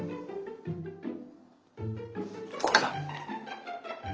これだ。